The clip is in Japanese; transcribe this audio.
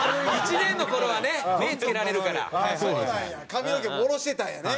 髪の毛も下ろしてたんやね。